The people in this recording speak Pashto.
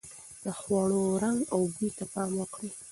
د خوړو رنګ او بوی ته پام وکړئ.